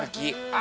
あ！